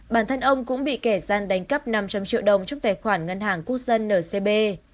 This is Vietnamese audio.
bản thân ông cũng bị kẻ gian đánh cắp năm trăm linh triệu đồng trong tài khoản ngân hàng quốc dân ncb